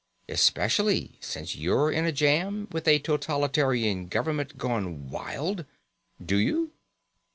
Especially since you're in a jam with a totalitarian government gone wild? Do you?"